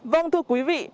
vâng thưa quý vị